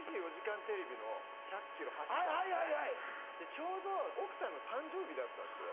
ちょうど奥さんの誕生日だったんですよ。